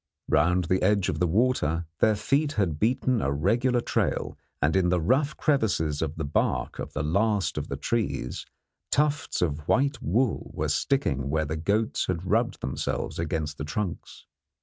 Round the edge of the water their feet had beaten a regular trail, and in the rough crevices of the bark of the last of the trees, tufts of white wool were sticking where the goats had rubbed themselves against the trunks.